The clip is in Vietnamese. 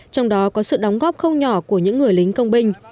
trong đó có sự đóng góp không nhỏ của những người lính công binh